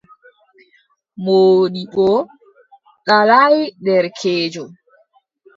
Moodibbo ɗalaay derkeejo.